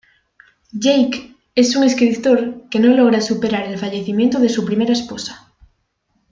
Jake es un escritor que no logra superar el fallecimiento de su primera esposa.